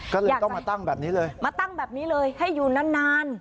ก็เลยต้องมาตั้งแบบนี้เลยมาตั้งแบบนี้เลยให้อยู่นานนาน